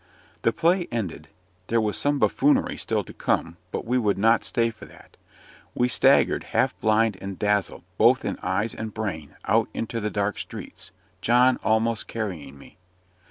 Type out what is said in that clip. The play ended. There was some buffoonery still to come, but we would not stay for that. We staggered, half blind and dazzled, both in eyes and brain, out into the dark streets, John almost carrying me.